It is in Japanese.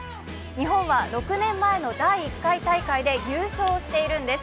日本は６年前の第１回大会で優勝してるんです。